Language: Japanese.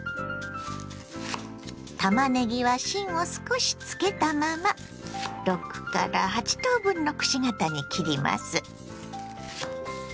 たまねぎは芯を少しつけたまま６８等分のくし形に切ります。